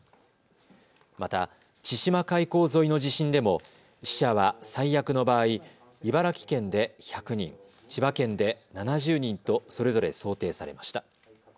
また、千島海溝沿いの地震でも死者は最悪の場合、茨城県で１００人、千葉県で７０人とそれぞれ想定されました。